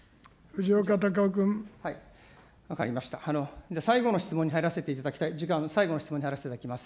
じゃあ最後の質問に入らせていただきたい、最後の質問に入らせていただきます。